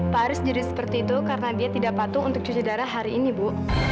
pak aris jadi seperti itu karena dia tidak patuh untuk cuci darah hari ini bu